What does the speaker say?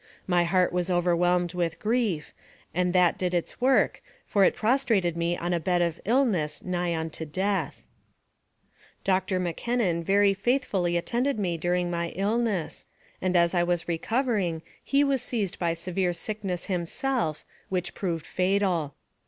My heart was overwhelmed with grief, and that did its work, for it prostrated me on a bed of illness nigh unto death. Dr. McKennon very faithfully attended me during my illness, and as I was recovering, he was seized by severe sickness himself, which proved fatal.